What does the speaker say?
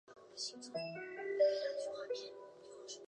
部分物种在淡水生存及一种在潮湿的雨林土壤中生活。